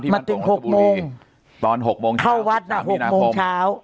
มาถึง๖โมงตอน๖โมงเช้าเข้าวัดน่ะ๖โมงเช้า